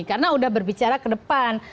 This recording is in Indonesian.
karena udah berbicara ke depan